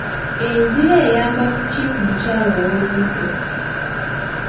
Enziro eyamba ki omukyala ow'olubuto?